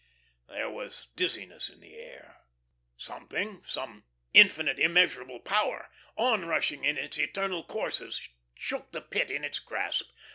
There was dizziness in the air. Something, some infinite immeasurable power, onrushing in its eternal courses, shook the Pit in its grasp.